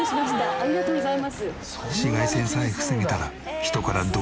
ありがとうございます。